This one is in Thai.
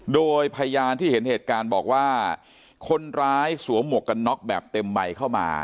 โดยพยานที่เห็นเหตุการณ์บอกว่าคนร้ายสวมหมวกกันน็อกแบบเต็มใบเข้ามา